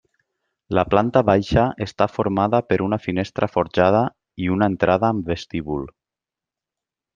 La planta baixa està formada per una finestra forjada i una entrada amb vestíbul.